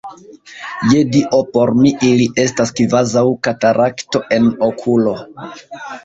Je Dio, por mi ili estas kvazaŭ katarakto en okulo!